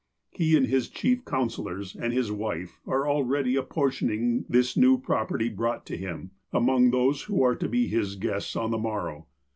He and his chief counsellors, and his wife, are already apportioning this new property brought to him, among those who are to be his guests on the morrow.